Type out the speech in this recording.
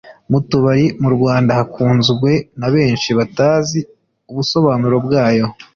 mu tubari…mu Rwanda yakunzwe na benshi batazi ubusobanuro bwayo